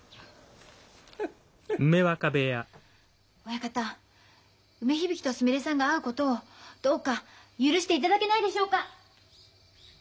親方梅響とすみれさんが会うことをどうか許していただけないでしょうか。